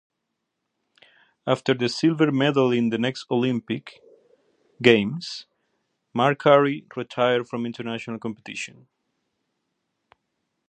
After the silver medal in the next Olympic Games, Marcari retired from international competition.